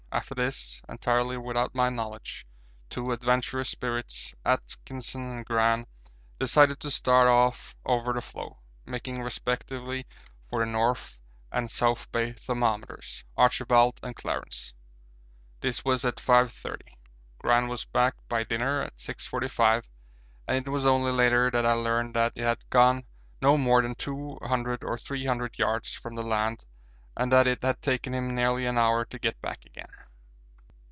After this, entirely without my knowledge, two adventurous spirits, Atkinson and Gran, decided to start off over the floe, making respectively for the north and south Bay thermometers, 'Archibald' and 'Clarence.' This was at 5.30; Gran was back by dinner at 6.45, and it was only later that I learned that he had gone no more than 200 or 300 yards from the land and that it had taken him nearly an hour to get back again.